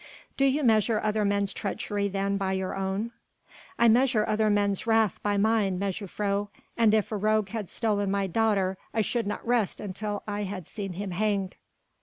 "Do you measure other men's treachery then by your own?" "I measure other men's wrath by mine, mejuffrouw and if a rogue had stolen my daughter, I should not rest until I had seen him hanged."